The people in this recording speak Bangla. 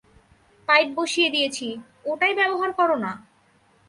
পাইপ বসিয়ে দিয়েছি, ওটাই ব্যবহার করো না।